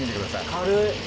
軽い。